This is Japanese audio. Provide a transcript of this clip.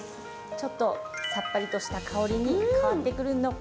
ちょっとさっぱりとした香りに変わってくるのかな？